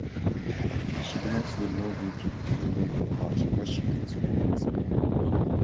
She belongs to the Norwegian Labour Party, where she leads the women's network.